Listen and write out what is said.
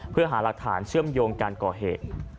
เพื่อหารักฐานเชื่อมโยงการก่อเหตุ